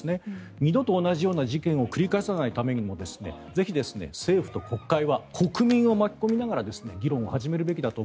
二度と同じような事件を繰り返さないためにもぜひ、政府と国会は国民を巻き込みながら板橋さん